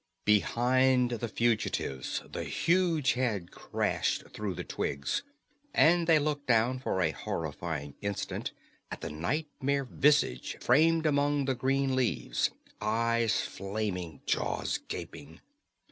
Behind the fugitives the huge head crashed through the twigs, and they looked down for a horrifying instant at the nightmare visage framed among the green leaves, eyes flaming, jaws gaping.